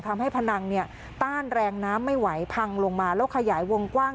พนังเนี่ยต้านแรงน้ำไม่ไหวพังลงมาแล้วขยายวงกว้าง